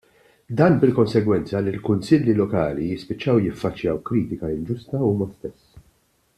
Dan bil-konsegwenza li l-Kunsilli Lokali jispiċċaw jaffaċċjaw kritika inġusta huma stess.